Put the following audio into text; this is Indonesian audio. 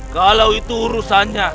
kalau itu urusannya